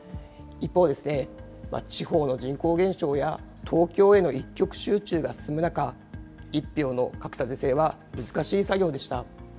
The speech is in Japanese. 一方、地方の人口減少や、東京への一極集中が進む中、１票の格差是正は難しい作業でした。